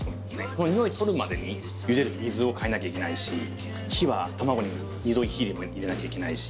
このにおい取るまでにゆでる水を替えなきゃいけないし火は卵にも２度火入れなきゃいけないし。